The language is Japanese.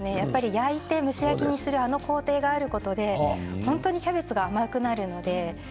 焼いて蒸し焼きにする工程があることで本当にキャベツが甘くなるんです。